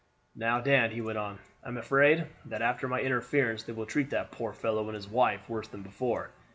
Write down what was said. "Now, Dan," he went on, "I am afraid that after my interference they will treat that poor fellow and his wife worse than before.